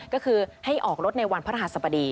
ก็คือให้ออกรถในวันพระรหัสบดี